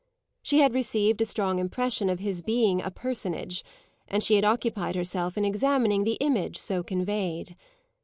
She had received a strong impression of his being a "personage," and she had occupied herself in examining the image so conveyed.